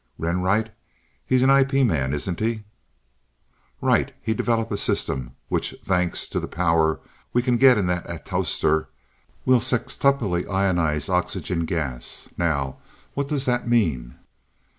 "Renwright he's an IP man isn't he?" "Right. He's developed a system, which, thanks to the power we can get in that atostor, will sextuply ionize oxygen gas. Now: what does that mean?"